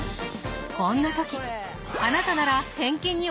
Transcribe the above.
こんな時あなたなら返金に応じますか？